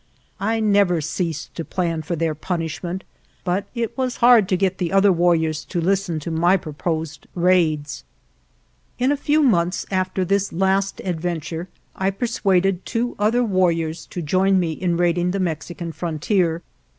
I never ceased to plan for their punishment, but it was hard to get the other warriors to listen to my proposed raids. In a few months after this last adventure I persuaded two other warriors to join me in raiding the Mexican frontier.